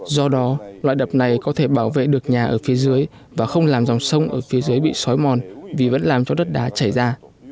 do đó loại đập này có thể bảo vệ được nhà ở phía dưới và không làm dòng sông ở phía dưới bị xói mòn vì vẫn làm cho đất đá chảy ra